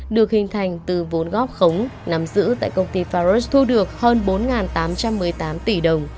được hình thành từ vốn góp khống nắm giữ tại công ty farod thu được hơn bốn tám trăm một mươi tám tỷ đồng